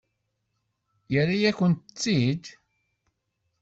Yerra-yakent-t-id?